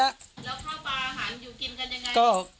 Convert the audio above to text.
แล้วข้าวปลาอาหารอยู่กินกันยังไง